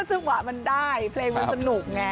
จังหวะมันได้เพลงมันสนุกไง